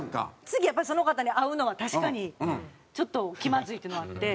次やっぱりその方に会うのは確かにちょっと気まずいっていうのはあって。